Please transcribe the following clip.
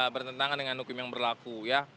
bertentangan dengan hukum yang berlaku ya